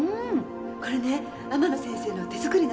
これね天野先生の手作りなの。